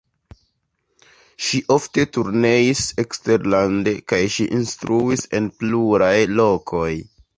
Ŝi ofte turneis eksterlande kaj ŝi instruis en pluraj lokoj.